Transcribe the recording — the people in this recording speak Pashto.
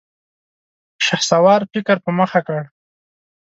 شهسوار فکر په مخه کړ.